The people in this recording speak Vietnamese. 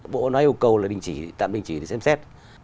bộ nói yêu cầu là tạm đình chỉ để xem xét